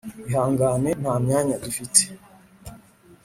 ihangane, nta myanya dufite.